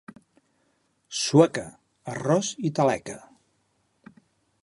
Sueca, arròs i taleca.